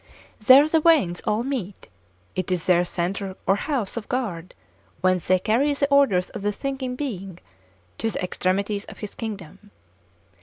There the veins all meet; it is their centre or house of guard whence they carry the orders of the thinking being to the extremities of his kingdom.